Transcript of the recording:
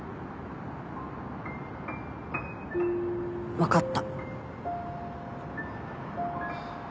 分かった。